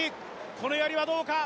このやりはどうか？